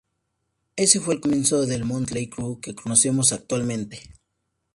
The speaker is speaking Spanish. Ese fue el comienzo del Mötley Crüe que conocemos actualmente.